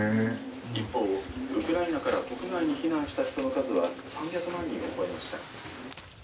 「一方ウクライナから国外に避難した人の数は３００万人を超えました」。